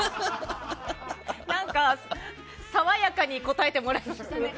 何か爽やかに答えてもらえましたね。